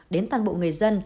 đến toàn bộ người dân